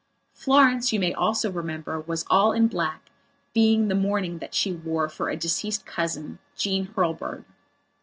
Florence, you may also remember, was all in black, being the mourning that she wore for a deceased cousin, Jean Hurlbird.